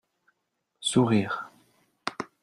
Sourires.